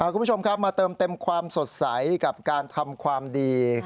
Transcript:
คุณผู้ชมครับมาเติมเต็มความสดใสกับการทำความดี